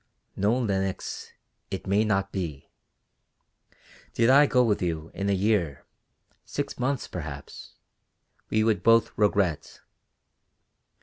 "No, Lenox, it may not be. Did I go with you, in a year six months, perhaps we would both regret.